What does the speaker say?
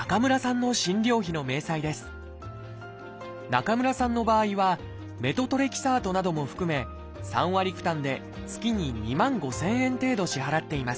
中村さんの場合はメトトレキサートなども含め３割負担で月に２万５，０００円程度支払っています。